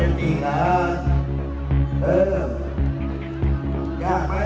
อันดิป้า